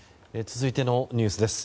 続いてのニュースです。